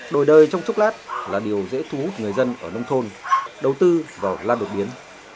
đổi đời trong chút lát là điều dễ thú người dân ở nông thôn đầu tư vào lan đột biến